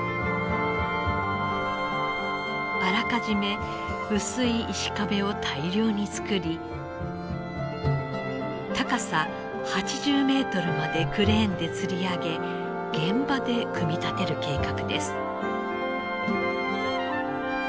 あらかじめ薄い石壁を大量に作り高さ８０メートルまでクレーンでつり上げ現場で組み立てる計画です。